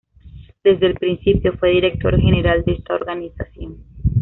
Desde el principio, fue director general de esta organización.